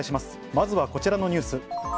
まずはこちらのニュース。